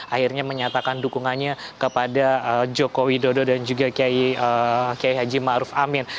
akhirnya menyatakan dukungannya kepada jokowi dodo dan juga kiyai haji maruf amin